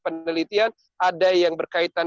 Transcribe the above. penelitian ada yang berkaitan